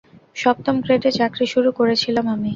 সপ্তম গ্রেডে চাকরি শুরু করেছিলাম আমি।